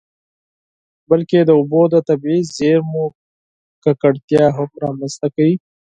بلکې د اوبو د طبیعي زیرمو ککړتیا هم رامنځته کوي.